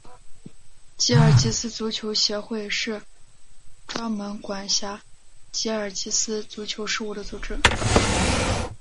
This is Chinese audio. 吉尔吉斯足球协会是专门管辖吉尔吉斯足球事务的组织。